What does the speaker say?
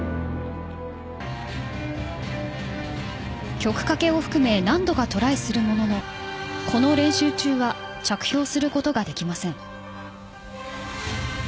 曲かけを含め何度かトライするもののこの練習中は着氷することができません。